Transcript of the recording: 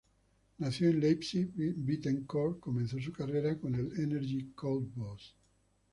Nacido en Leipzig, Bittencourt comenzó su carrera con el Energie Cottbus.